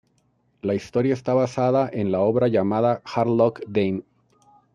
La historia esta basada en la obra llamada "Hard Luck Dame".